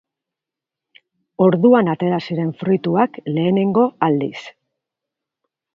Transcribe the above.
Orduan atera ziren fruituak lehenengo aldiz.